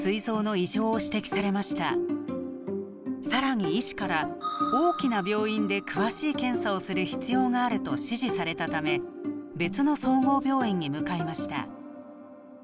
更に医師から「大きな病院で詳しい検査をする必要がある」と指示されたため別の総合病院に向かいました。